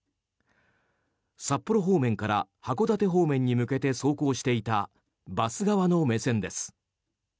札幌方面から函館方面に向けて走行していたバス側の目線です。